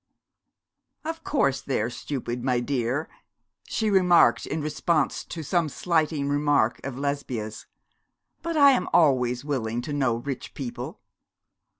'Of course they are stupid, my dear,' she remarked, in response to some slighting remark of Lesbia's, 'but I am always willing to know rich people.